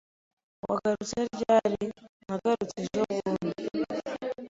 "Wagarutse ryari?" "Nagarutse ejobundi."